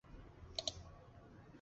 其日本名为佐藤爱之助。